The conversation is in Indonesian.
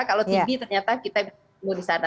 kalau tibi ternyata kita bisa di sana